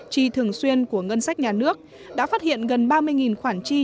chi thường xuyên của ngân sách nhà nước đã phát hiện gần ba mươi khoản chi